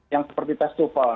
yang seperti tes tuvel